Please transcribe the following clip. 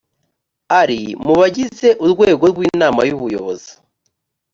ari mu bagize urwego rw ‘inama y ‘ubuyobozi.